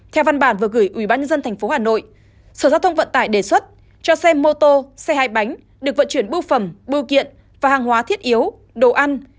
theo văn bản vừa gửi ubnd tp hà nội sở giao thông vận tải đề xuất cho xe mô tô xe hai bánh được vận chuyển bưu phẩm bưu kiện và hàng hóa thiết yếu đồ ăn